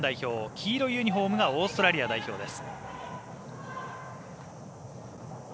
黄色いユニフォームがオーストラリア代表です。